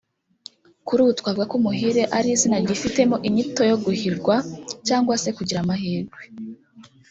Kuri ubu twavuga ko Umuhire ari izina ryifitemo inyito yo guhirwa cyangwa se kugira amahirwe